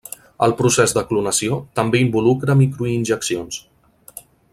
El procés de clonació també involucra microinjeccions.